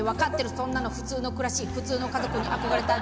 「そんなの普通の暮らし普通の家族に憧れてるだけ」